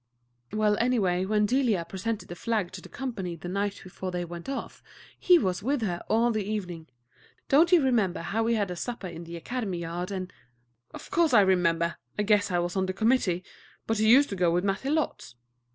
"Well, anyway, when Delia presented the flag to the company the night before they went off, he was with her all the evening. Don't you remember how we had a supper in the Academy yard, and " "Of course I remember. I guess I was on the committee; but he used to go with Mattie lots."